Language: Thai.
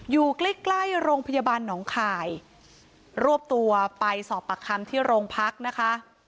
อยู่ใกล้ใกล้โรงพยาบาลหนองคายรวบตัวไปสอบปากคำที่โรงพักนะคะ